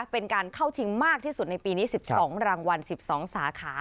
เป็นการเข้าชิงมากที่สุดในปีนี้๑๒รางวัล๑๒สาขา